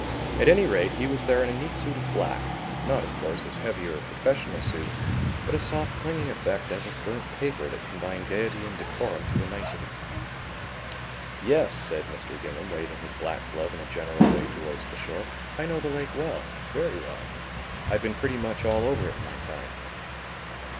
At any rate, he was there in a neat suit of black, not, of course, his heavier or professional suit, but a soft clinging effect as of burnt paper that combined gaiety and decorum to a nicety. "Yes," said Mr. Gingham, waving his black glove in a general way towards the shore, "I know the lake well, very well. I've been pretty much all over it in my time."